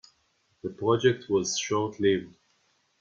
The project was short-lived.